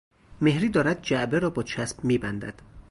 مهری دارد جعبه را با چسب میبندد.